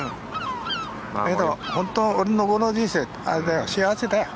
本当、俺のこの人生幸せだよ。